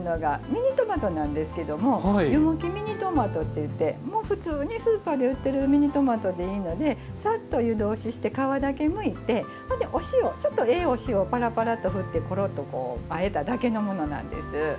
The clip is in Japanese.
ミニトマトなんですけども湯むきミニトマトっていってもう普通にスーパーで売ってるミニトマトでいいのでサッと湯通しして皮だけむいてお塩ちょっとええお塩パラパラと振ってコロッとあえただけのものなんです。